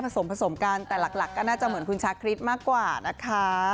สมผสมกันแต่หลักก็น่าจะเหมือนคุณชาคริสมากกว่านะคะ